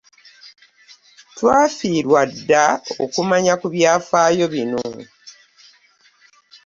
Twadubwa dda okumanya ku byafaayo bino.